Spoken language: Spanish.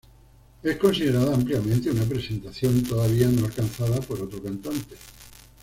Es considerada ampliamente una presentación todavía no alcanzada por otro cantante.